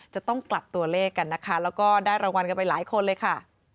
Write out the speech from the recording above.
จะต้องกลับตัวเลขกันนะคะแล้วก็ได้รางวัลกันไปหลายคนเลยค่ะ